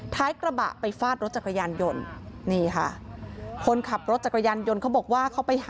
ท้ายกระบะไปฟาดรถจักรยานยนต์